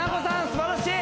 すばらしい！